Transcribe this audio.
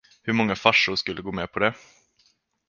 Hur många farsor skulle gå med på det?